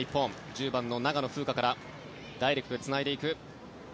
１０番の長野風花からダイレクトでつないでいく。